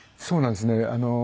そうなんですね。